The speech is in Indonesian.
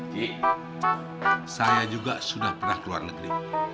ki saya juga sudah pernah ke luar negeri